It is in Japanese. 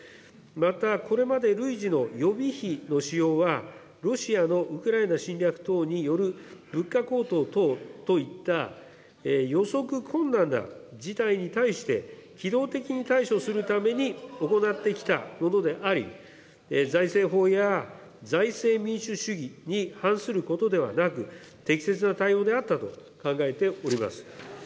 また、これまで累次の予備費の使用はロシアのウクライナ侵略等による物価高騰等といった予測困難な事態に対して、機動的に対処するために行ってきたものであり、財政法や財政民主主義に反することではなく、適切な対応であったと、考えております。